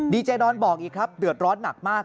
เจดอนบอกอีกครับเดือดร้อนหนักมาก